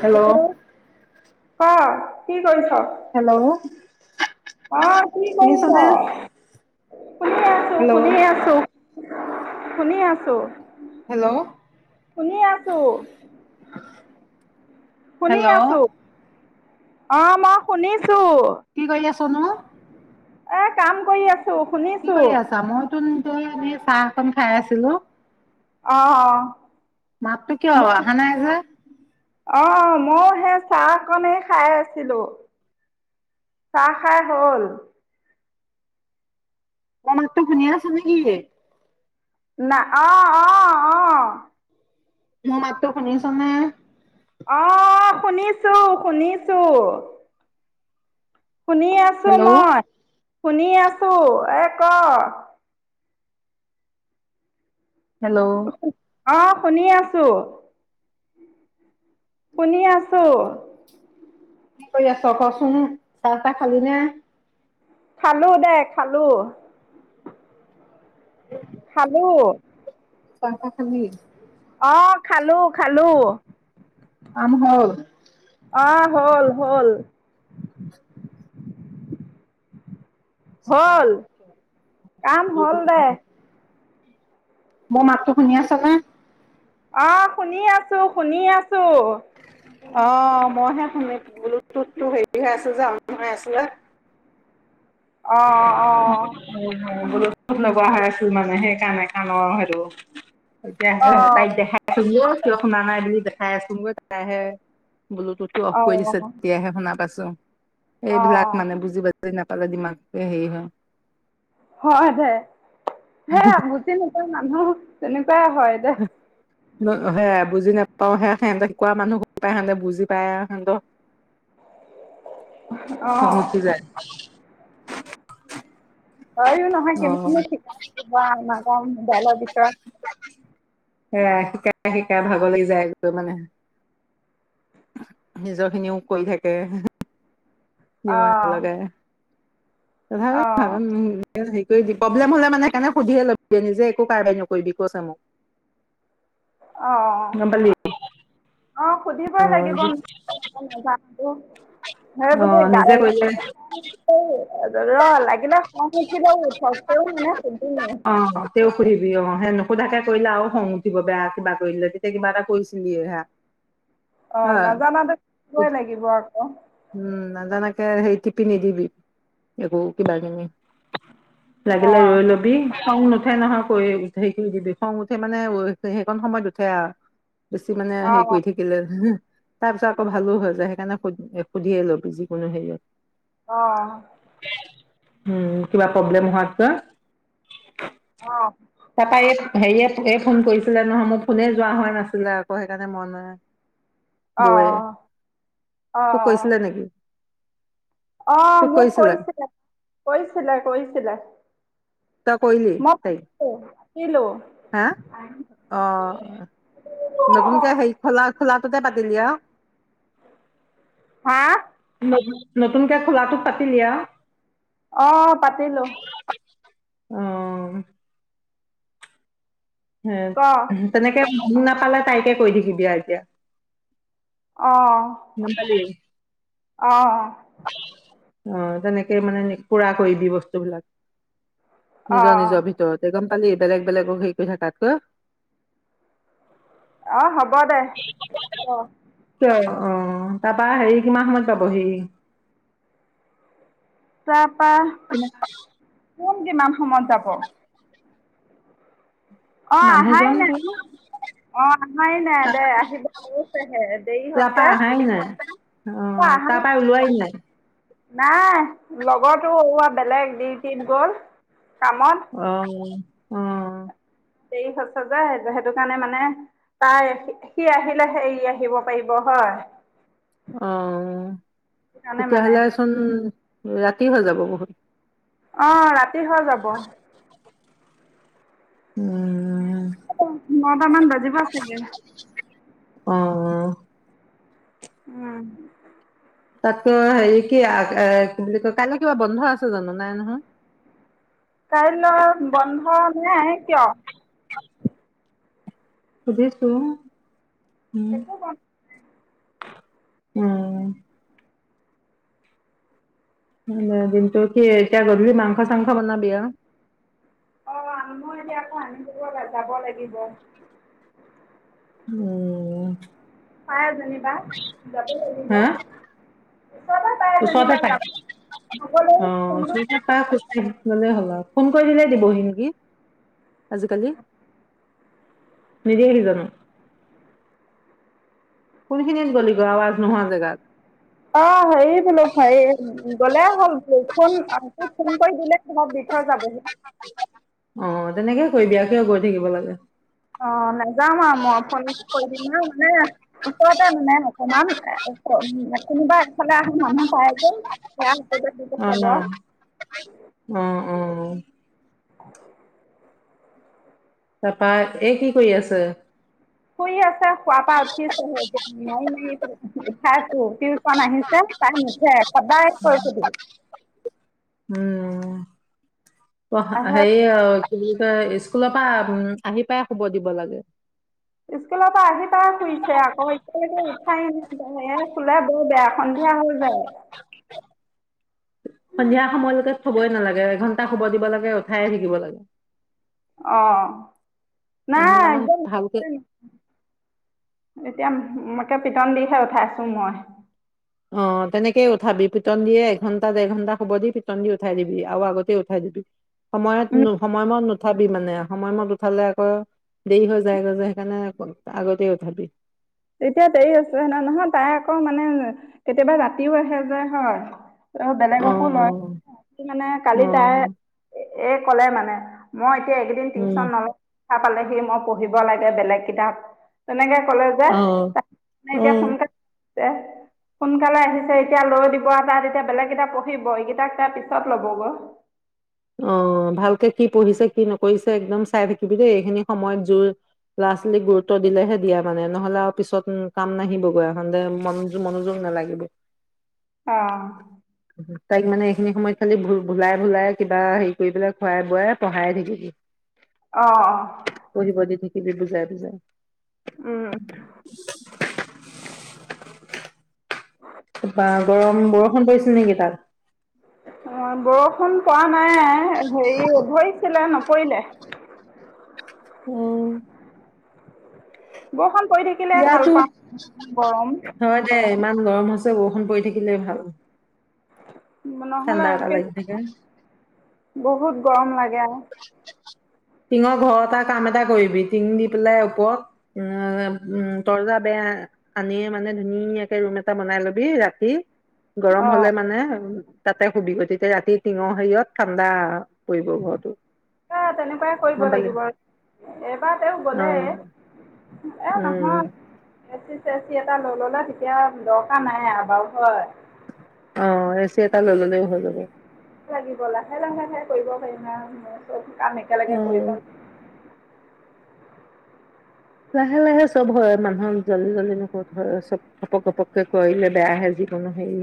Hello hello অ কি কৰিছ হেল্ল' অ কি কৰিছ শুনিছনে? হেল্ল' শুনি আছো শুনি আছো শুনি আছো হেল্ল' শুনি আছো শুনি হেল্ল' আছো । অ মই শুনিছো কি কৰি আছ ছ নো এ কাম কৰি আছো শুনিছো আমি চাহ অকন খাই আছিলো অহ অহ মাতটো কিয় অহা নাই যে অ মই সেই চাহকনেই খাই আছিলো চাহ খাই হ'ল মাতটো শুনিয়ে আছ নেকি না অহ অহ অহ মোৰ মাততো শুনিছ নে অহ শুনিছো শুনিছো শুনি আছো হেল্ল' মই শুনি আছো এ ক হেল্ল' অ শুনি আছো শুনি আছোঁ কি কৰি আছ কচোন চাহ তাহ খালি নে খালো দে খালো হয় খালো চাহ তা খালি অ খালো খালো কাম হল অহ হ'ল হ'ল হল কাম হ'ল দে মোৰ মাতটো শুনি আছ নে অহ শুনি আছো শুনি আছো অ মইহে শুনি ব্লুটুথটো হেৰি হৈ আছিল যে অন হৈ আছিলে অ অ বস্তু লগা হৈ আছিল মানে সেইকাৰণে কানৰ হেতু এতিয়া হে তাইক অ', দেখা পালো কিয় শুনা নাই বুলি দেখাই আচোনগৈ দেখাইহে ব্লুটুথটো অফ কৰি দিছে অ', তেতিয়াহে শুনা পাইছে য এইবিলাক অ', মানে বুজি পাই তয় নেপালে দিমাগ তই হেৰি হ হয় দে সে আগতি নতৰ মানুহ তেনেহ পে হয় দে উম উম সেয়া বুজি নাপাও সেয়া হেন্দু কোৱা মানুহ পা হেন্দু বুজি পায় আৰু হেন্দু। খং অ'। উঠি যায়। হয় য়ো নয়হ অ কে ম শিকাই নাম দল বিক [unintelligible] এয়া শিকাই শিকাই ভাগৰ লাগি যায় গৈ মানে হুম নিজৰ খিনিও কৰি থাকে। যিমান অ', লগাই তথাপিও অ', ভাগন [unintelligible] হেৰি কৰি দে প্ৰব্লেম হলে মানে সেইকাৰণে সুধিয়ে লবি নিজে একো কাৰ্বাই নকৰিবি কৈছে মোক। অঅঅ গম পালি অ সুধিবই লাগিব নেজামটো। হে অ বোলে নিজে দাৰাইয়া কৰিলে আছে তেই। ৰ লাগিলে খং উঠিলেও উঠক তেওঁ মানে সুধিমে। সোধাকে কৰিলে আৰু খং উঠিব বেয়া কিবা কৰিলে তেতিয়া কিবা এটা কৰিছিলিয়ে হা অ হয় নাজানাদে শিকিবই লাগিব আকৌ হুম নাজানকে হেৰি টিপি নিদিবি একো কিবা কিনি অ লাগিলে ৰই লবি খং নুঠে নহয় কৈ সেইখিনি দিবি খং উঠে মানে সেইখন সময়ত উঠে আৰু। বেছি মানে অ হেৰি কৰি থাকিলে হু হু তাৰ পিছত আকৌ ভালো হৈ যায় সেইকাৰণে সুধি দিয়ক। সুধিয়ে ল'বি যিকোনো হেৰিয়ত। অঅ উম কিবা প্ৰব্লেম হোৱাতকৈ। অ তাৰপা এত হেৰীয়ে ফুলে। ফোন কৰিছিলে নহয় মোৰ ফোনে যোৱা হয় নাছিলে আকৌ সেইকাৰণে মন নাই অ বৌয়ে অ অ তোক কৈছিলা নেকি? অ মোক কৈছিলে কৈছিলে কৈছিলে তই কৰিলি মই তাইক? পাতি পাতিলো। হা? অ' সতে পাতিলি আউ। হা নতুনকে খোলাটোত পাতিলি আউ অ পাতিলো। উম উ ক তেনেকে মম নাপালে তাইকে কৈ থিব দিয়া এতিয়া মনালিছা। আহ অ তেনেকে মানে পুৰা কৰি দিবি বস্তুবলাক। নিজৰ অ নিজৰ ভিতৰত একদম পালি বেলেগ বেলেগক হেৰি কৰি থাকাত ক। আহ হ'ব দে ক। কিয়? অ তাৰপা হেৰি কিমান সময়ত পাব সি তত হয় কোন কিমান সময়ত যাব অ আহাই মানুহজন নাই তোৰ অ আহাই নাই দে আহিব লৈছেহে দেৰি তাৰপা হৈছে আহাই নাই। তই অ' অহা নাই। তাৰপা ওলোৱাই নাই। নাই লগৰতো ৱা বেলেগ ডিউটিত গল কামত আহ দেৰি হৈছে যে সেইটো কাৰণে মানে তাই সি আহিলে এৰি আহিব পাৰিব হয়। অ কাৰণে মানে তেতিয়াহ'লেচোন ৰাতি তি হৈ যাব বহুত অ ৰাতি। কি হৈ যাব উম নটামান বাজিব চাগে। অ অ। উম তাতকো হেৰি কি এ কি বুলি কয় কাইলৈ কিবা বন্ধ আছে জানো নাই নহয়। কাইলৈ বন্ধ নাই কিয় [unintelligible] সজেইছো হম একো বন্ধ । উম দমটো কি গধূলি মাংখা চাংখা বনাবি আৰু অ মই এতিয়ানো । ক যাব লাগিব উম পাই যেনিবা যাব লাগিব ওচৰতে ত পায় সতে যেনিবা যাব নগলেও অ ফোনটো সতে খ লে হ'ল ফোন কৰি দিলে দিবহি নেকি আজিকালি নিদিয়েহি জানো কোনখিনিত গ'লিগৈ আৱাজ নোহোৱা জেগাত অ হেৰি বো ভাই গ'লে হ'ল ফোন আক ফোন কৈ দিলাক অলপ বিষৰ যাবহি অ তেনেকে কৰি দিয় সে গৈ থাকিব লাগে অ যাম আৰু মই ফোন কৰি দিম আৰু মানে ওচৰতে মানে অকমান কোনোবা ফালে আ মানুহ পাই যে আছে সেয়া হাততে কি কাব লাগে অ অ', অ', তাৰপা এ কি কৰি আছে শুই আছে শোৱা পা উঠি এ হাত টিউচন আহিছে তাই নুঠে কবাই কৈ থধ উম অ আহে হেই স্কুলৰ পৰা উম আহি পাই শুব দিব লাগে স্কুলৰ পৰা আহি পাই শুইছে আকৌ এতিয়া লৈকে উঠাই নাই এতিয়া বৰ বেয়া সন্ধিয়া হৈ যায় সন্ধিয়া সময়লৈকে থবই নালাগে এঘন্টা শুব দিব লাগে উঠাই থাকিব লাগে অ নাই এঘন্টামান একদম ভালকে এতিয়াাকে পিটন দিহে উঠাইছো মই অ তেনেকেই উঠাবি পিটন দিয়ে এঘণ্টা দেৰ ঘণ্টা হুব দি পিটন দি উঠাই দিবি আৰু আগতে উঠাই দিবি সময়ত সময় মই উঠাবি মানে সময়মত উঠালে আকৌ দেৰি হৈ যায়গৈ যে সেইকাৰণে আগতে উঠাবি এতিয়া দেৰি আছেে ন নহয় তাই আকৌ মানে কেতিয়াবা ৰাতিও আহে যে হয় অ', বেলেগকো অ', লয় মানে কালি তাই অ', এ ক'লে মানে মই এইকেইদিন উম, টিউচন নলয় দো পালেহি মই পঢ়িব লাগে বেলেগ কিতাপ তেনেকে কলৈ যায় উম সোনকালে আহিছে এতিয়া লৈ দিব তাৰ তেতিয়া বেলেগ কিতাপ পঢ়িব এইকেইতাক তাৰ পিছত ল'ব গৈ অ ভালকে কি পঢ়িছে কি নকৰিছে একদম চাই থাকিবি দেই এইখিনি সময়ত জোৰ ল'ৰা ছোৱালীক গুৰুত্ব দিলেহে দিয়া মানে নহলে আৰু পিছত কাম নাহিবগৈ এখনতে মনযোগ মনোযোগ নালাগিব অ তাইক মানে এইখিনি সময়ত খালি ভোলাই ভোলাই কিবা হেৰি কৰি পেলাই খুৱাই বোৱাই পঢ়াই থাকিবি অহ - অহ। কিবিধ বুজাই - বুজাই। উম, থোপা গৰম বৰষুণ পৰিছিল নেকি তাত? অহ, বৰষুণ পোৱা নাই হেৰি ধৰিছিলে নপৰিলে। উম, বৰখন ইয়াতো হয় দে। ইমান গৰম হৈছে বৰষুণ পৰি থাকিলে ভাল। নহ'লে ঠাণ্ডা এটা একে লাগি থাকে। বহুত গৰম লাগে। টিঙৰ ঘৰটা কাম এটা কৰিবি টিং দি পেলাই ওপৰত উম, তৰ্জা বেয়া আানিয় মানে ধুনীয়াকে ৰুম এটা বনাই লবি ৰাতি গৰম অ'। হলে মানে উম। তাতে শুবি তেতিয়া ৰাতি টিঙৰ হেৰিয়ত ঠাণ্ডা পৰিব ঘৰটোত। এ তেনেকুৱাই কৰিব লাগিব আৰু এইবাৰ তেওঁ অ গলে এ উম নহয় এ চি চে চি টা লৈ ললে তেতিয়া দৰকাৰ নাই অভাৱ হয়। অহ, এ চি এটা লই ললেও হল হৈ । লাগিব লাহে- লাহে হে কৰিব পাৰিম আৰু কাম একেলগে অ কৰিব। লাহে-লাহে চব হয় মানুহক জল্ডি - জল্ডি নকৰিলো হয় চব ঘপক ঘপককে কৰিলে বেয়াহে যিকোনো হেৰি।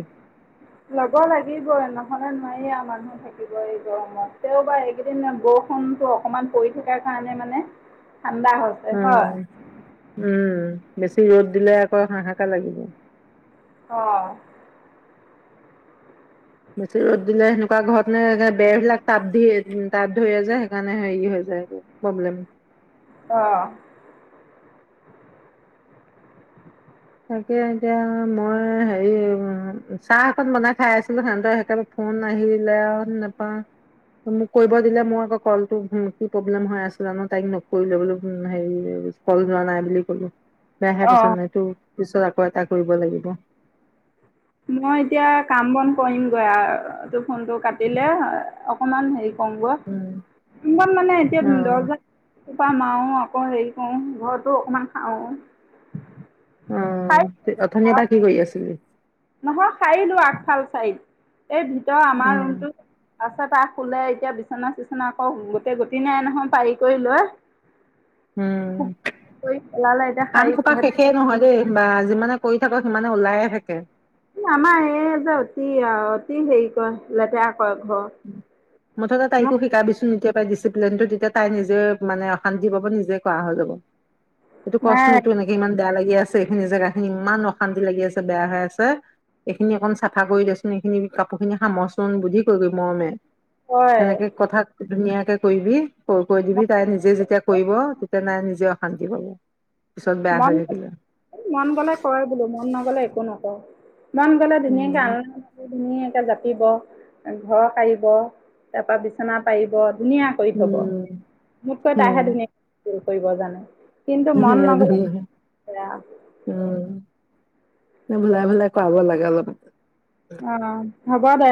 লব লাগিব নহলে নোৱাৰি মানুহ থাকিব এই গৰমত । তেওবা এইকেইদিন বৰষুণতটো অকনমান পৰি থকাৰ কাৰণে মানে ঠাণ্ডা হৈছে হয়, উম - উম। বেছি ৰ'দ দিলে আকৌ হাহাকাৰ লাগিব। অহ, বেছি ৰ'দ দিলে সেনেকুৱা ঘৰত নে বেৰবিলাক তাপ দি তাপ ধৰে যে সেইকাৰণে হেৰি হৈ যায় প্ৰব্লেম। অহ, তাকে এতিয়া মই হেৰি চাহ অকন বনাই খাই আছিলো সহতে একোৰে ফোন আহিলে আৰু নাপাও। মোক কৰিব দিলে মোৰ আকৌ কলটো কি প্ৰব্লেম হৈ আছিলে ন তাইক নকৰিলে বোলো হেৰি কল যোৱা নাই বুলি কলো। তাৰ হে অ'। পচন্দ এইটো। পিছত আকৌ এটা কৰিব লাগিব। মই এতিয়া কাম বন কৰিমগৈ আৰু এইটো ফোনটো কাটিলে অকমান হেৰি কমগৈ উম ইমান মানে এতিয়া অ দহ কা মাৰো আকৌ হেৰি কৰো ঘৰতো অকমান খাও। উম, তে অথনীৰ পৰা কি কৰি আছিলি? নহয় খাৰি লোৱা আগফাল চাইদ। এই ভিতৰ অ আমাৰ ৰুমটো। তাপিছত তাত শুলে এতিয়া বিচনা চিচনা আকৌ গোটেই গটি নাই নহয় পাৰি কৰি লৈ। উম কৰি পেলালে এতিয়া আম সাৰি খোপা সেখেই নহয় দেই বা । যিমানে কৰি থাকো সিমানে ওলাই থাকে । আমাৰ এই যে অতি অতি হেৰি কৰে লেতেৰা কৰে ঘৰ। উ মুঠতে তাইকো মোক শিকাবিচোন এতিয়া ডিচিপ্লিন টো তেতিয়া তাই নিজে মানে অশান্তি পাব নিজে কৰা হৈ যাব এইটো কৰ চোন নাই এইটো এনেকে ইমান বেয়া লাগি আছে এইখিনি জেগা খিনি ইমান অশান্তি লাগি আছে বেয়া হৈ আছে এইখিনি অকন চাফা কৰি দেচোন এইখিনি কাপোৰ খিনি সামৰচোন বুদ্ধি কৰি । মৰমে হয় সেনেকে কথা ধুনীয়া কৰিবি কৈ কৈ দিবি তাই নিজে যেতিয়া কৰিব তেতিয়া নাই নিজে হাজি ভাল মন গলে মন গলে কৰে বোলো মন নগলে একো নকওঁ মন গ'লে ধুনীয়াকে উম আলনা ধুনীয়াক জাপিব ঘৰ হাৰিব তাৰ পৰা বিছনা পাৰিব ধুনীয়া কৰি থ'ব উম মোতকৈ তাইহে ধুনীয়াকৈ কৰিব জানে কিন্তু মন নগ'লে উ বেয়া উম ভুলাই ভুলাই কৰা লাগে অলপ । অ হ'বা দে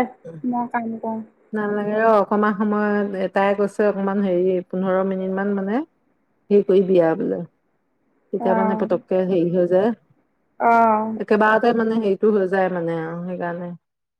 মই কাম উম অ ৰ অকমান সময়ত এটাই কৈছে অকমান হেৰি পোন্ধৰ মিনিট মান মানে হেৰি কৰি বিয়া বোলে । তেতিয়া মানে অ পতককে হেৰি হৈ যায় অ একে বাৰতে মানে সেই টো হৈ যায় মানে আৰু সেইকাৰণে